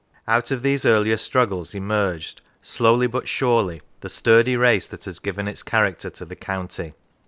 Out of these earlier struggles emerged, slowly but surely, the sturdy race that has given its character to the county.